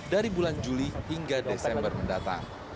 dari bulan juli hingga desember mendatang